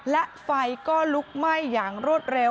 และไฟก็ลุกไหม้อย่างรวดเร็ว